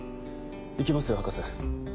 行きますよ博士。